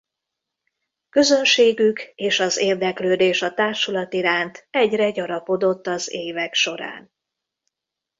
Közönségük és az érdeklődés a társulat iránt egyre gyarapodott az évek során.